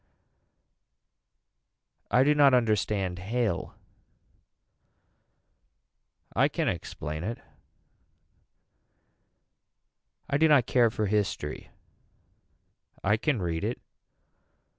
I do not understand hail. I can explain it. I do not care for history. I can read it.